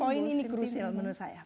poin ini krusial menurut saya